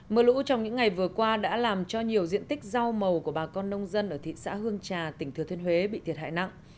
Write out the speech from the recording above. mưa lũ trong những ngày vừa qua đã làm cho nhiều diện tích rau màu của bà con nông dân ở thị xã hương trà tỉnh thừa thiên huế bị thiệt hại nặng